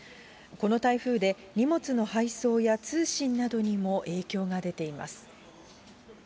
この台風で、荷物の配送や通信などにも影響が出ています。